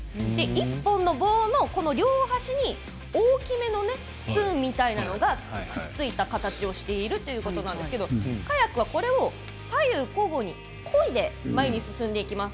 １本の棒の両端に大きめのスプーンみたいなのがくっついた形をしているということなんですけどカヤックはこれを左右交互にこいで前に進んでいきます。